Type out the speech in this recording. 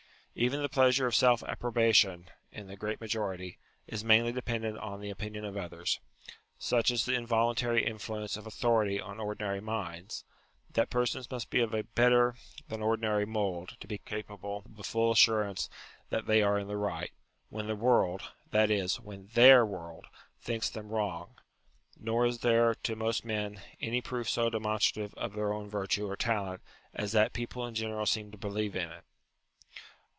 Even the pleasure of self approbation, in the great majority, is mainly dependent on the opinion of others. Such is the involuntary influence of authority on ordinary minds, that persons must be of a better than ordinary mould to be capable of a full assurance that they are in the right, when the world, that is, when their world, thinks them wrong : nor is there, to most men, any proof so demonstrative of their own virtue or talent as that people in general seem to believe in it.